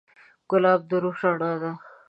ګلاب د روح رڼا ده.